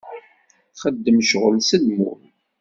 Txeddem ccɣel s lmul.